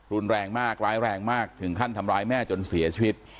รุนแรงมากร้ายแรงมากถึงขั้นทำร้ายแม่จนเสียชีวิต